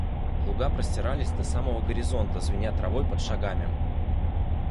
Луга простирались до самого горизонта, звеня травой под шагами.